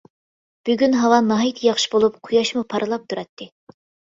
بۈگۈن ھاۋا ناھايىتى ياخشى بولۇپ قۇياشمۇ پارلاپ تۇراتتى.